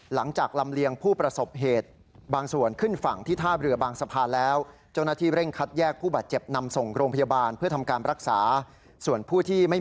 หลังจากลำเลียงผู้ประสบเหตุ